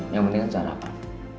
yang penting sarapan